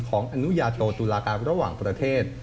อนุญาโตตุลาการระหว่างประเทศ